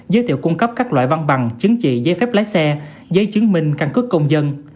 giới thiệu cung cấp các loại văn bằng chứng chỉ giấy phép lái xe giấy chứng minh căn cước công dân